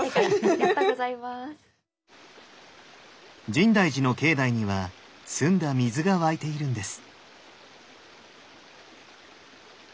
深大寺の境内には澄んだ水が湧いているんです。